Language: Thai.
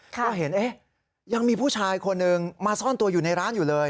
ก็เห็นยังมีผู้ชายคนหนึ่งมาซ่อนตัวอยู่ในร้านอยู่เลย